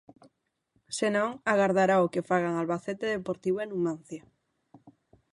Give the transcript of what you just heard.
Se non, agardará o que fagan Albacete, Deportivo e Numancia.